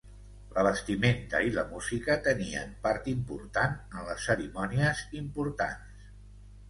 La vestimenta i la música tenien part important en les cerimònies importants.